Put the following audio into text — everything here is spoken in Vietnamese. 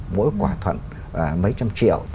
mỗi quả thuận mấy trăm triệu